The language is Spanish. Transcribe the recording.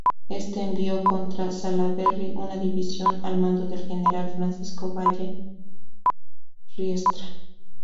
Éste envió contra Salaverry una división al mando del general Francisco Valle Riestra.